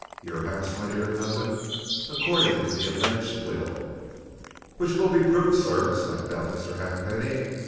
"Your house, my dear cousin according to the alleged will." "Which will be proved, sir," snapped out Mr. Halfpenny.